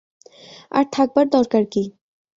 আর থাকবার দরকার কী।